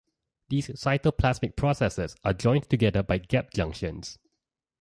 These cytoplasmic processes are joined together by gap junctions.